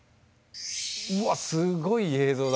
うわっすごい映像だ！